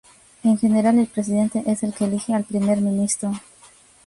En general, el presidente es el que elije al primer ministro.